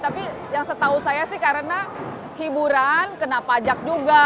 tapi yang setahu saya sih karena hiburan kena pajak juga